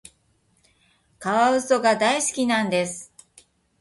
カワウソが大好きなんです。